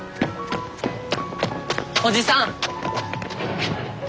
おじさん！